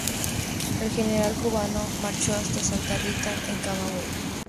El general cubano marchó hasta Santa Rita en Camagüey.